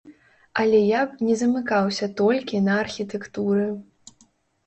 Але я б не замыкаўся толькі на архітэктуры.